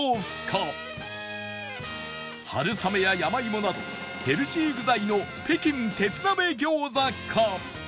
春雨や山芋などヘルシー具材の北京鉄鍋餃子か